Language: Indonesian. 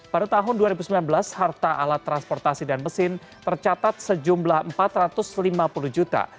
pada tahun dua ribu sembilan belas harta alat transportasi dan mesin tercatat sejumlah empat ratus lima puluh juta